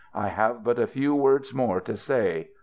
I have but a few words more to say.